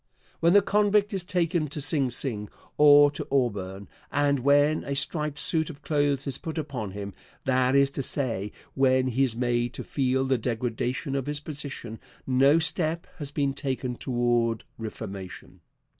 When the convict is taken to Sing Sing or to Auburn, and when a striped suit of clothes is put upon him that is to say, when he is made to feel the degradation of his position no step has been taken toward reformation.